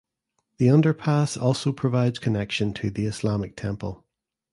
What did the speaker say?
The underpass also provides connection to the Islamic Temple.